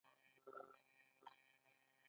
بېکاره نه ناستېږي.